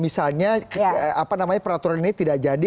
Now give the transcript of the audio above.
misalnya apa namanya peraturan ini tidak jadi